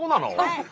はい。